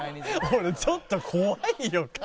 俺ちょっと怖いよ菅。